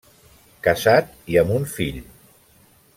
Casat, i amb un fill.